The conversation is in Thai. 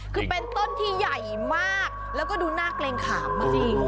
คือเป็นต้นที่ใหญ่มากแล้วก็ดูน่าเกรงขามจริง